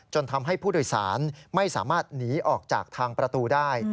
ทำให้ผู้โดยสารไม่สามารถหนีออกจากทางประตูได้